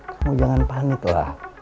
kamu jangan panik lah